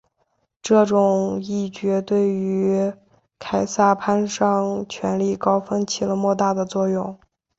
这种议决对于凯撒攀上权力高峰起了莫大的作用。